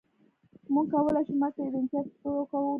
موږ کولای شو مرګ ته د امتیاز په توګه وګورو